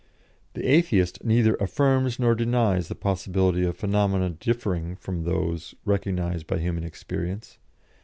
The Atheist neither affirms nor denies the possibility of phenomena differing from those recognised by human experience....